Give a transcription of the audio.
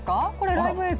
ライブ映像？